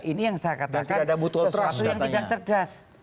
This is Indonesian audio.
ini yang saya katakan sesuatu yang tidak cerdas